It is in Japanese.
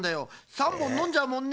３ぼんのんじゃうもんね。